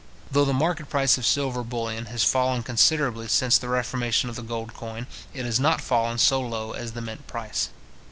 Though the market price of silver bullion has fallen considerably since the reformation of the gold coin, it has not fallen so low as the mint price.